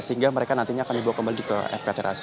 sehingga mereka nantinya akan dibawa kembali ke rptra sini